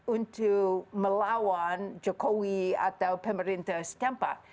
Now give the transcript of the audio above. untuk melawan jokowi atau pemerintah setempat